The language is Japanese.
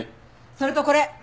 それとこれ。